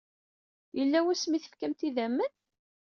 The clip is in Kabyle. Yella wasmi ay tefkamt idammen?